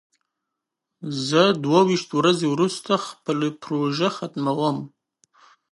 زه دوه ویشت ورځې وروسته خپله پروژه ختموم.